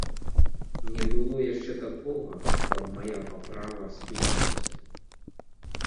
Не было яшчэ такога, каб мая паправа спынілася.